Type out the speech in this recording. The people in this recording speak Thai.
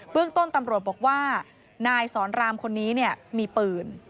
เรื่องต้นตำรวจบอกว่านายสอนรามคนนี้มีปืน